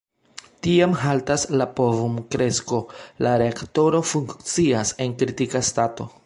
Tiam haltas la povum-kresko, la reaktoro funkcias en "kritika stato".